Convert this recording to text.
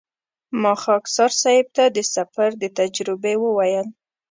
ما خاکسار صیب ته د سفر د تجربې وویل.